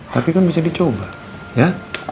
tapi kan bisa dicoba ya